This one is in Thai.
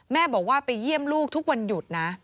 แม่บอกว่าไปเยี่ยมลูกทุกวันหยุดนะ